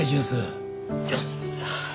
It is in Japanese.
よっしゃ！